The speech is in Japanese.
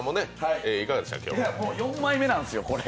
４枚目なんですよ、これ。